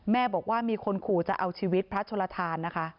แม่บอกว่ามีคนขู่จะเอาชีวิตพระชลทานนะคะ